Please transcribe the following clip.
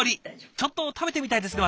ちょっと食べてみたいですね